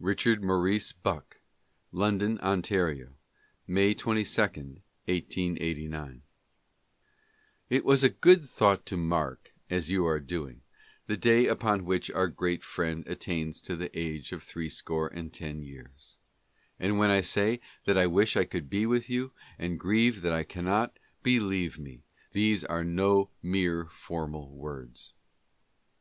Richard Maurice Bucke: Londo?i, Ontario, May 22, 1889. It was a good thought to mark, as you are doing, the day upon BUCKE. 57 which our great friend attains to the age of threescore and ten years; and when I say that I wish I could be with you, and grieve that I cannot, believe me, these are no mere formal words.